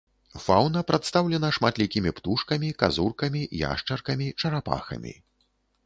Фаўна прадстаўлена шматлікімі птушкамі, казуркамі, яшчаркамі, чарапахамі.